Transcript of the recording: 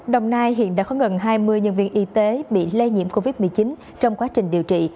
đồng nai hiện đã có gần hai mươi nhân viên y tế bị lây nhiễm covid một mươi chín trong quá trình điều trị